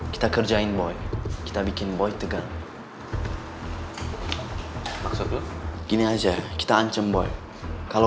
kita kerjain boy kita bikin boy maksudnya gini aja kita ancem boy kalau